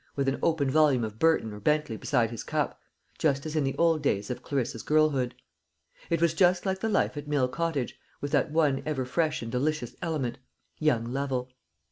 with an open volume of Burton or Bentley beside his cup, just as in the old days of Clarissa's girlhood. It was just like the life at Mill Cottage, with that one ever fresh and delicious element young Lovel.